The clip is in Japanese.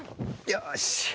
よし。